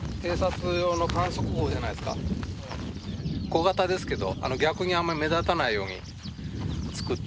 小型ですけど逆にあんまり目立たないように造っていて。